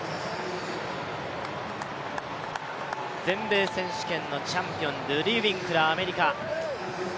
全米選手権のチャンピオン、ルディー・ウィンクラー、アメリカ。